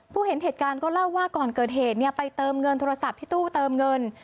เห็นเหตุการณ์ก็เล่าว่าก่อนเกิดเหตุไปเติมเงินโทรศัพท์ที่ตู้เติมเงิน